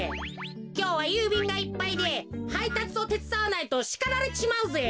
きょうはゆうびんがいっぱいではいたつをてつだわないとしかられちまうぜ。